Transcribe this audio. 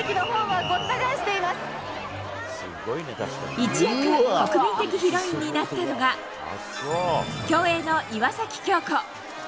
一躍、国民的ヒロインになったのが競泳の岩崎恭子。